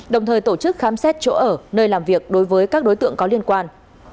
đồng thời tổ chức khám xét chỗ ở nơi làm việc đối với các đối tượng có liên quan